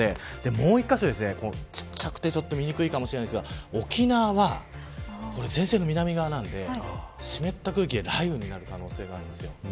もう１カ所小さくて見にくいかもしれませんが、沖縄は前線の南側なので湿った空気が雷雨になる可能性があります。